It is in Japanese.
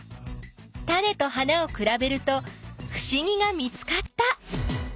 タネと花をくらべるとふしぎが見つかった！